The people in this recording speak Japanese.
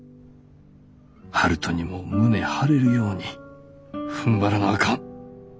「悠人にも胸張れるように踏んばらなあかん」。